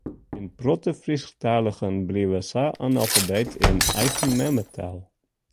In protte Frysktaligen bliuwe sa analfabeet yn eigen memmetaal.